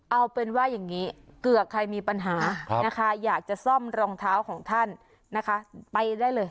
เอาเป็นว่าอย่างนี้เผื่อใครมีปัญหานะคะอยากจะซ่อมรองเท้าของท่านนะคะไปได้เลย